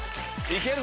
いけるぞ。